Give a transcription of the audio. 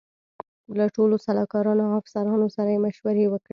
له ټولو سلاکارانو او افسرانو سره یې مشورې وکړې.